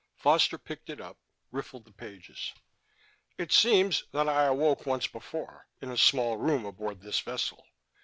Foster picked it up, riffled the pages. "It seems that I awoke once before, in a small room aboard this vessel.